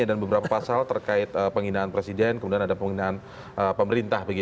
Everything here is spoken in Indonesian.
dan beberapa pasal terkait pengindahan presiden kemudian ada pengindahan pemerintah